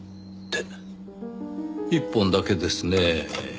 １本だけですねぇ。